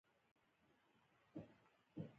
ایا ستاسو جایداد به ثبت نه شي؟